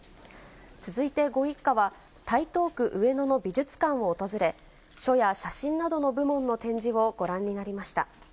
続いてご一家は、台東区上野の美術館を訪れ、書や写真などの部門の展示をご覧になりました。